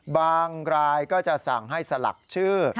บางรายก็จะสั่งให้สลักชื่อ